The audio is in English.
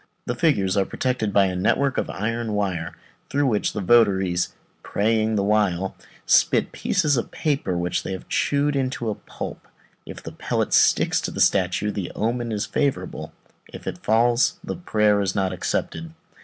The figures are protected by a network of iron wire, through which the votaries, praying the while, spit pieces of paper, which they had chewed up into a pulp. If the pellet sticks to the statue, the omen is favourable; if it falls, the prayer is not accepted.